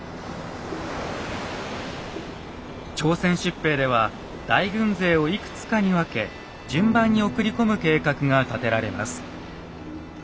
朝鮮出兵では大軍勢をいくつかに分け順番に送り込む計画が立てられます。